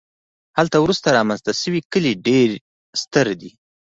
هلته وروسته رامنځته شوي کلي ډېر ستر دي